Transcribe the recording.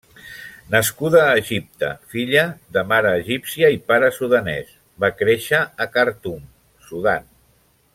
Nascuda a Egipte, filla de mare egípcia i pare sudanès, va créixer a Khartum, Sudan.